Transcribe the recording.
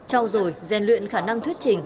châu rồi gian luyện khả năng thuyết trình